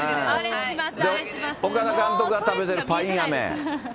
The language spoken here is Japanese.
岡田監督が食べてるパインアメ。